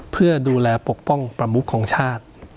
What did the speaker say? เพื่อดูแลปกป้องประมุขของชาติ